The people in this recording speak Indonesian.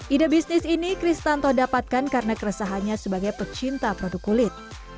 ide bisnis ini chris tanto dapatkan karena keresahannya sebagai pecinta produk kulit